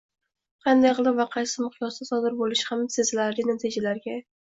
qanday qilib va qaysi miqyosda sodir bo‘lishi hamda sezilarli natijalarga